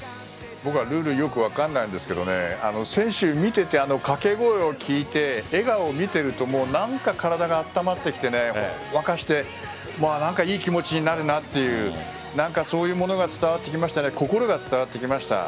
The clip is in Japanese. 僕はルールよく分かんないんですが選手を見ていてかけ声を聞いて笑顔を見ているとなんか体があったまってきていい気持ちになるなというそういうものが伝わってきました。